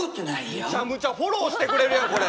むちゃむちゃフォローしてくれるやんこれ。